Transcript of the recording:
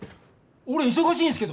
俺忙しいんすけど！